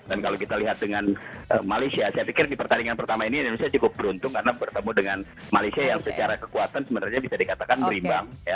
dan kalau kita lihat dengan malaysia saya pikir di pertandingan pertama ini indonesia cukup beruntung karena bertemu dengan malaysia yang secara kekuatan sebenarnya bisa dikatakan berimbang